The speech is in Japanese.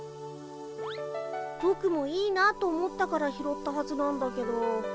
ぼくもいいなと思ったから拾ったはずなんだけど。